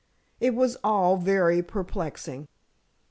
It was all very perplexing.